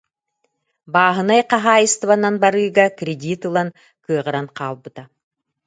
Бааһынай хаһаайыстыбанан барыыга кредит ылан кыаҕыран хаалбыта